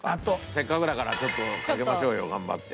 せっかくだからちょっとかけましょうよ頑張って。